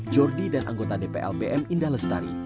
jordi dan anggota dpl bm indah lestari